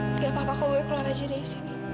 enggak apa apa kok gue keluar aja dari sini